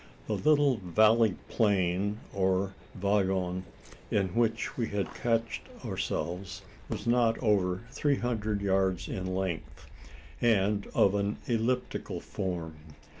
The little valley plain, or vallon, in which we had cached ourselves, was not over three hundred yards in length, and of an elliptical form.